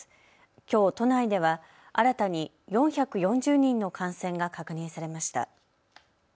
きょう都内では新たに４４０人の感染が確認されました。